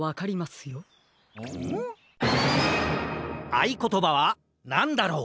あいことばはなんだろう？